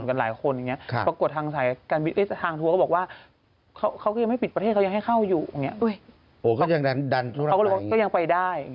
โอ้โฮก็ยังดันทั่วละไปเค้าก็ยังไปได้